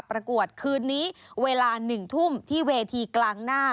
ประกวดคืนนี้เวลา๑ทุ่มที่เวทีกลางหน้า